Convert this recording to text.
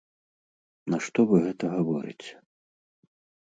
Нашто вы гэта гаворыце?